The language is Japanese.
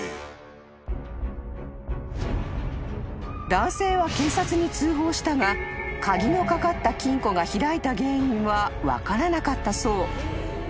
［男性は警察に通報したが鍵の掛かった金庫が開いた原因は分からなかったそう］